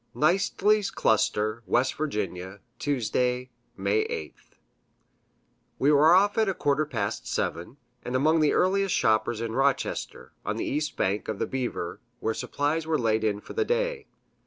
Kneistley's Cluster, W. Va., Tuesday, May 8th. We were off at a quarter past seven, and among the earliest shoppers in Rochester, on the east bank of the Beaver, where supplies were laid in for the day.